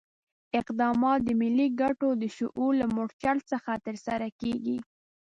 اقدامات د ملي ګټو د شعور له مورچل څخه ترسره کېږي.